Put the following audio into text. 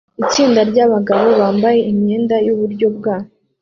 Itsinda ryabagabo bambaye imyenda yuburyo bwa